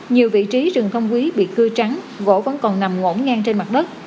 nhiều vị trí rừng thông quý bị cưa trắng gỗ vẫn còn nằm ngổn ngang trên mặt đất